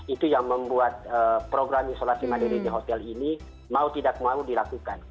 itu yang membuat program isolasi mandiri di hotel ini mau tidak mau dilakukan